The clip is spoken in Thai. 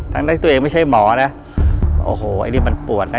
ทั้งที่ตัวเองไม่ใช่หมอนะโอ้โหไอ้นี่มันปวดนะ